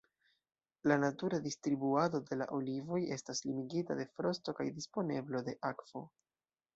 La natura distribuado de la olivoj estas limigita de frosto kaj disponeblo de akvo.